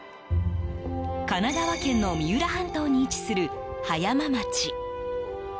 神奈川県の三浦半島に位置する葉山町。